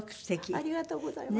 ありがとうございます。